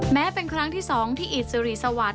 แม้เป็นครั้งที่๒ที่อิทธิ์สรีสวัสดิ์